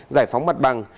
giải phóng mặt bằng